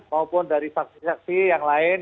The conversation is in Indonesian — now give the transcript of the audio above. maupun dari saksi saksi yang lain